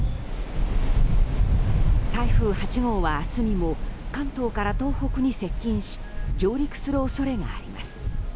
台風８号は明日にも関東から東北に接近し上陸する恐れがあります。